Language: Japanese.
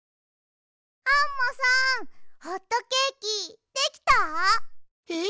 アンモさんホットケーキできた？へ？